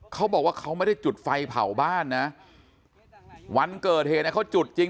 เขาบอกว่าเขาไม่ได้จุดไฟเผาบ้านนะวันเกิดเหตุเนี่ยเขาจุดจริง